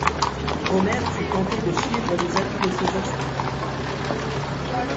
Omer fut tenté de suivre les avis de ses instincts.